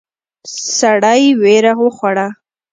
سړی وېره وخوړه.